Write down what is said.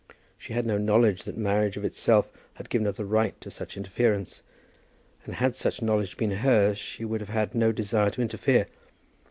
She had no knowledge that marriage of itself had given her the right to such interference; and had such knowledge been hers she would have had no desire to interfere.